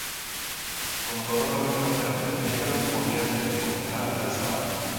Como todos los rinocerontes negros, podía ser encontrado en la sabana.